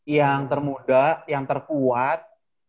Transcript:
yang termuda yang terkuat